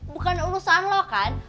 bukan urusan loh kan